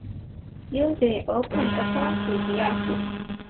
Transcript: Uday opened accounts with Yahoo!